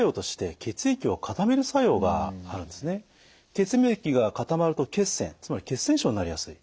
血液が固まると血栓つまり血栓症になりやすい。